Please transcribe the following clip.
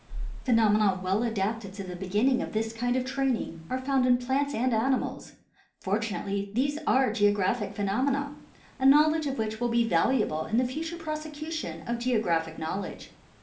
Phenomena well adapted to the beginning of this kind of training are found in plants and animals. Fortunately these are geographic phenomena, a knowledge of which will be valuable in the future prosecution of geographic knowledge.